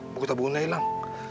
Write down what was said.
buku tabungannya hilang